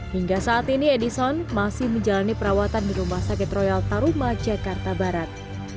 hingga saat ini edison masih menjalani perawatan di rumah sakit royal taruma jakarta barat